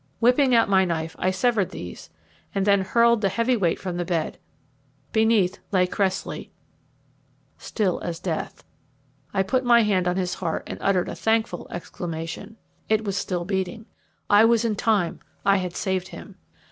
Whipping out my knife, I severed these, and then hurled the heavy weight from the bed. Beneath lay Cressley, still as death. I put my hand on his heart and uttered a thankful exclamation. It was still beating. I was in time; I had saved him.